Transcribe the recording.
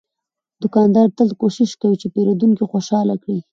دوکاندار تل کوشش کوي چې پیرودونکی خوشاله کړي.